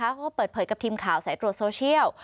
เขาก็เปิดเผยกับทีมข่าวสายตรวจโซเชียล